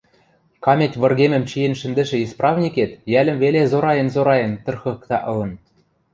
каметь выргемӹм чиэн шӹндӹшӹ исправникет йӓлӹм веле зораен-зораен тырхыкта ылын;